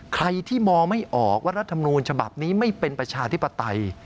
ใครที่มองไม่ออกว่ารัฐมนูญฉบับนี้ไม่เป็นประชาธิปไตย